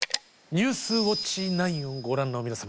「ニュースウオッチ９」をご覧の皆様